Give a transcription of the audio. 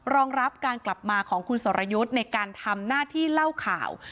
รองรับการกลับมาของคุณสรยุทธ์ในการทำหน้าที่เล่าข่าว